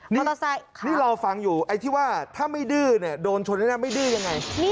นี่เราฟังอยู่ไอ้ที่ว่าถ้าไม่ดื้อโดนชนให้ด้วยไม่ดื้อยังไง